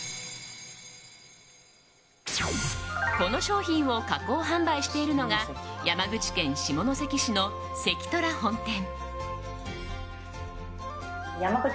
この商品を加工・販売しているのが山口県下関市の関とら本店。